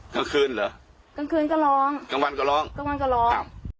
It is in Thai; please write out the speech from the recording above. กลางคืนเหรอกลางคืนก็ร้องกลางวันก็ร้องกลางวันก็ร้องครับ